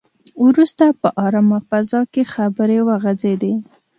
وروسته په ارامه فضا کې خبرې وغځېدې.